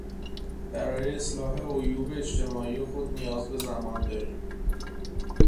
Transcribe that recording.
برای اصلاح عیوب اجتماعی خود نیاز به زمان داریم.